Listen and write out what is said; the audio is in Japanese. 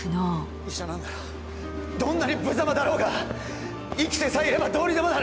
医者なんだろ、どんなに無様だろうが生きてさえいればどうにでもなる。